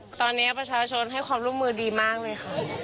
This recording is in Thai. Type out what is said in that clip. ตอนนี้ประชาชนให้ความร่วมมือดีมากเลยค่ะ